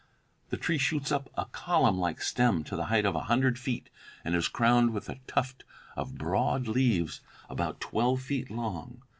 The tree shoots up a column like stem to the height of a hundred feet, and is crowned with a tuft of broad leaves about twelve feet long.